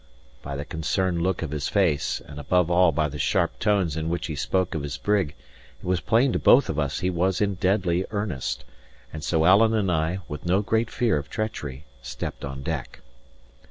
By the concerned look of his face, and, above all, by the sharp tones in which he spoke of his brig, it was plain to both of us he was in deadly earnest; and so Alan and I, with no great fear of treachery, stepped on deck.